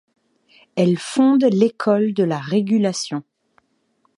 Elle fonde l’école de la régulation.